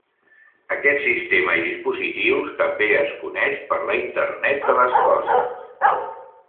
Aquest sistema i dispositius també es coneix per la internet de les coses.